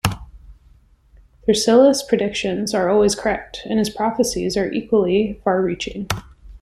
Thrasyllus' predictions are always correct, and his prophecies are equally far-reaching.